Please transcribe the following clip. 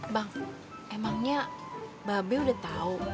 bang emangnya mbak be udah tau